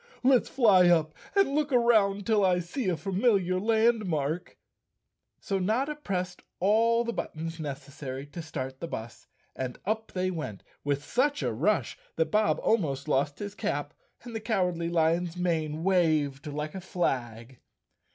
"Let's fly up and look around till I see a familiar landmark. So Notta pressed all the buttons necessary to start the bus, and up they went with such a rush that Bob al¬ most lost his cap and the Cowardly Lion's mane waved like a flag.